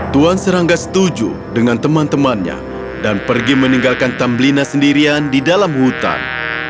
tuan serangga setuju dengan teman temannya dan pergi meninggalkan tambelina sendirian di dalam hutan